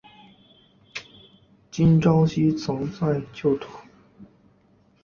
金昭希曾在就读。